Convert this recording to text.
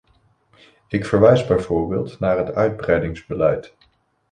Ik verwijs bijvoorbeeld naar het uitbreidingsbeleid.